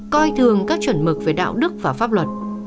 coi thường các chuẩn mực về đạo đức và pháp luật